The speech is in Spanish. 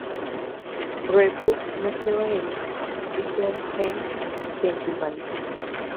Roebuck nació en Bethlehem, Pennsylvania.